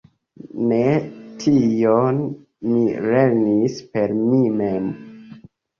Ne, tion mi lernis per mi mem.